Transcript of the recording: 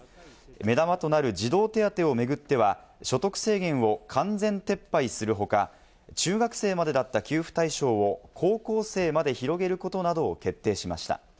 目玉となる児童手当を巡っては、所得制限を完全撤廃するほか、中学生までだった給付対象を高校生まで広げることなどを決定しました。